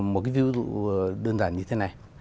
một cái ví dụ đơn giản như thế này